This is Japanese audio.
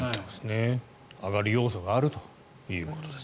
上がる要素があるということです。